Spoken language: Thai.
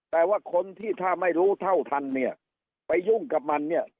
แต่ว่าคนที่ถ้าไม่รู้เท่าทันเนี่ยไปยุ่งกับมันเนี่ย